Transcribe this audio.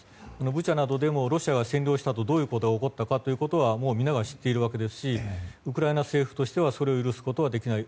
ブチャなどでもロシアが占領したあとどういうことが起こったかは皆が知っているわけですしウクライナ政府としてはそれを許すことはできない。